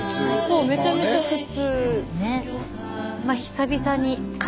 そうめちゃめちゃ普通。